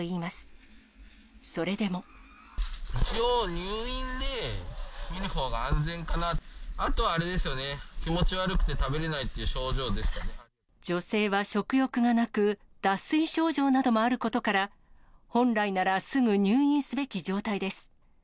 あとはあれですよね、気持ち悪く女性は食欲がなく、脱水症状などもあることから、本来ならすぐ入院すべき状態です。